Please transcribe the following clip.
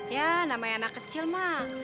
ya namanya anak kecil mah